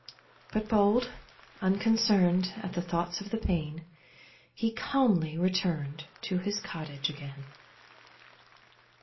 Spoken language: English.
But bold, unconcern'd At thoughts of the pain, He calmly return'd To his cottage again.